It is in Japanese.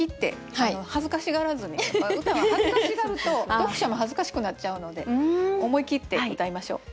歌は恥ずかしがると読者も恥ずかしくなっちゃうので思い切ってうたいましょう。